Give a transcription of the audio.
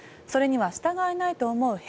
それには従えないと思う